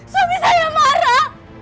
suami saya marah